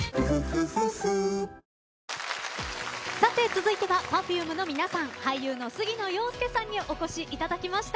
」続いてはＰｅｒｆｕｍｅの皆さん俳優の杉野遥亮さんにお越しいただきました。